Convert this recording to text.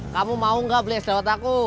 kamu mau gak beli es lewat aku